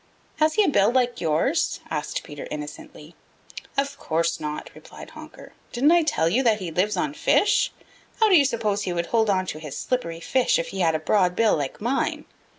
"Has he a bill like yours?" asked Peter innocently. "Of course not," replied Honker. "Didn't I tell you that he lives on fish? How do you suppose he would hold on to his slippery fish if he had a broad bill like mine?